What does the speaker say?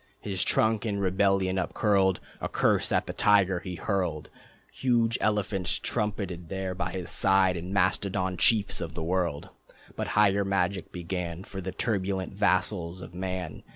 His trunk in rebellion upcurled, A curse at the tiger he hurled. Huge elephants trumpeted there by his side, And mastodon chiefs of the world. But higher magic began. For the turbulent vassals of man.